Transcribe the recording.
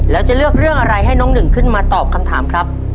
แล้วจะเลือกเรื่องอะไรให้น้องหนึ่งขึ้นมาตอบคำถามครับ